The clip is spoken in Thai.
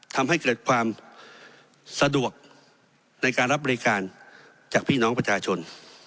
ทำให้เกิดความสะดวกในการรับบริการจากพี่น้องประชาชน